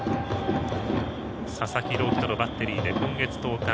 佐々木朗希とのバッテリーで今月１０日